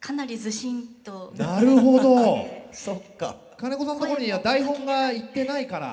金子さんとこには台本が行ってないから。